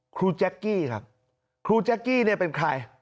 ครูแจ๊กกี้ครูแจ๊กกี้เป็นใคร